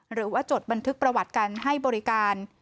หรือว่าจดบันทึกประวัติการให้บริการ